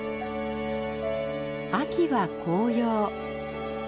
秋は紅葉。